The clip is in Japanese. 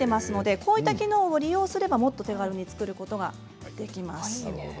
こういった多機能を利用すればもっと手軽に造ることができます。